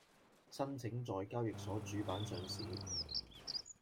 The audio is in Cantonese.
申請在交易所主板上市